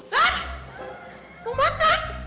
hah lo mana